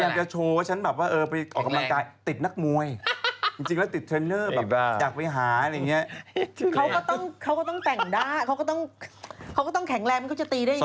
ก็จะเหลือหรือมันถึงได้น็อบซ์กันเนี่ย